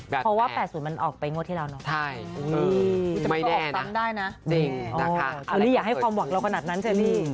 เพราะว่า๘๐มันออกไปงวดที่เราเนอะไม่แน่นะอันนี้อย่าให้ความหวังเราขนาดนั้นเชิญนี่